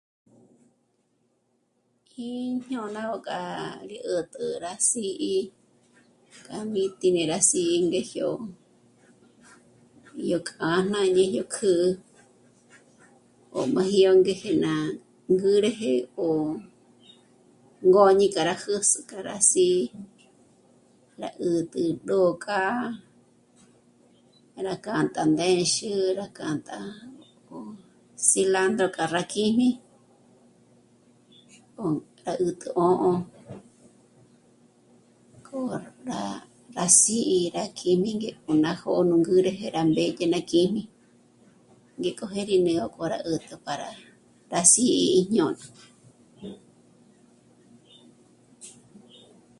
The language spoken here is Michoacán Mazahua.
Í jñôna ngó gá rí 'ä̀t'ä rá s'í'i k'a mí n'éte rá sí'i ngé jió'o yó kjǎn'a ngéj yó kjǚ'ü 'òj m'aji ngéje ná ngǚrüje ó ngôñi k'a rá jǚz'ü rá sí'i rá 'ä̀t'ä ró k'á'a rá k'ânta ndéndzhürü, rá k'ânta ó cilándro k'â' rá kjíjmi 'o ndá 'ä̀t'ä 'ò'o. K'o rá... rá sî'i rá kjími ngé ná jó'o nú ngǚrëhë rá mbèdye ná kjíjmi ngéko jê'e rí ó né'e rí 'ä̀t'ä para rá sí'i jñôna